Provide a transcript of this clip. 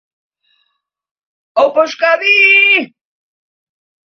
Aupaaa euskadiiiiiiii!!!